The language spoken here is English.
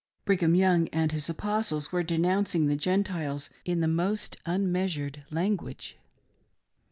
Brigham Young and his Apostles were denouncing the Gentiles in the most unmeasured language.